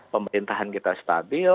pemerintahan kita stabil